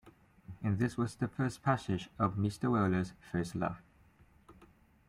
And this was the first passage of Mr. Weller’s first love.